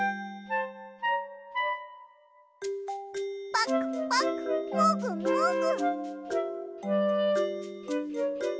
ぱくぱくもぐもぐ。